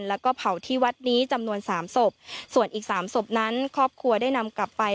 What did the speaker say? แล้วก็เผาที่วัดนี้จำนวนสามศพส่วนอีกสามศพนั้นครอบครัวได้นำกลับไป